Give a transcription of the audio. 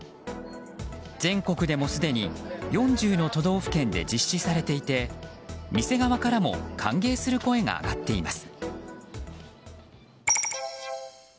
全国でもすでに４０の都道府県で実施されていて店側からも歓迎する声が上がっています。